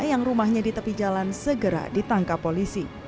yang rumahnya di tepi jalan segera ditangkap polisi